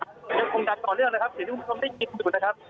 กับโครงการต่อเรื่องนะครับเสียงที่คุณผู้ชมได้ยินอยู่นะครับ